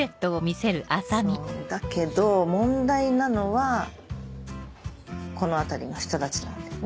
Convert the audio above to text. そうだけど問題なのはこのあたりの人たちなんだよね。